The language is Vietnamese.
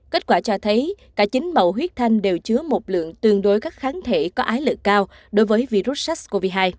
kết quả cho thấy cả chín mẫu huyết thanh đều chứa một lượng tương đối các kháng thể có ái lực cao đối với virus sars cov hai